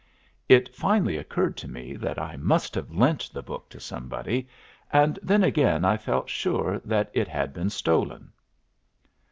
It finally occurred to me that I must have lent the book to somebody, and then again I felt sure that it had been stolen.